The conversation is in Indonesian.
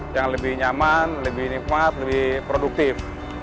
yang lebih nyaman lebih nikmat lebih produktif